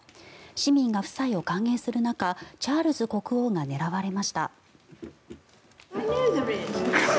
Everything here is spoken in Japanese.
市民が夫妻を歓迎する中チャールズ国王が狙われました。